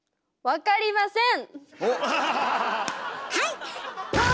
「わかりません！」